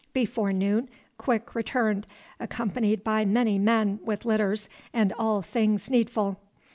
Before noon Quick returned, accompanied by many men with litters and all things needful.